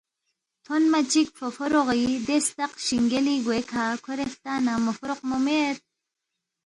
تھونما چِک فوفوروغی دے ستق شِنگیلی گوے کھہ کھورے ہلتا نہ موفوروقمو مید